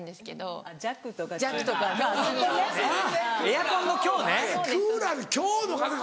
エアコンの強ね。